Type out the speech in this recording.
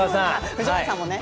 藤森さんもね。